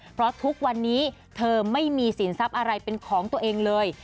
เพราะทุกวันนี้เธอไม่มีสินทรัพย์อะไรเป็นของตัวเองเลย